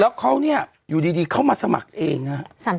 แล้วเขาเนี่ยอยู่ดีเขามาสมัครเองนะฮะ